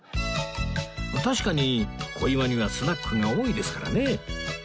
確かに小岩にはスナックが多いですからね